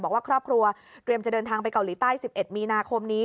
บอกว่าครอบครัวเตรียมจะเดินทางไปเกาหลีใต้๑๑มีนาคมนี้